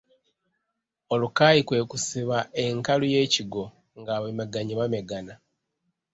Olukaayi kwe kusiba enkalu y’ekigwo ng’abamegganyi bameggana.